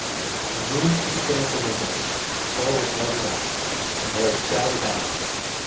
The moon peeped in at the window, the floor was lighted up, and there were shadows on it.